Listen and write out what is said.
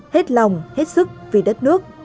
hết lòng hết sức